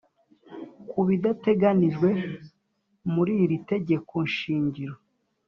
Ku bidateganijwe muri iri tegeko shingiro